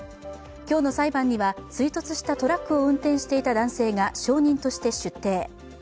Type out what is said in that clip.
今日の裁判には、追突したトラックを運転していた男性が証人として出廷。